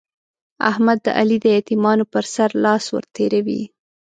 احمد د علي د يتيمانو پر سر لاس ور تېروي.